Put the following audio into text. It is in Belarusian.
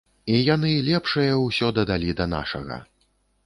І яны лепшае ўсё дадалі да нашага.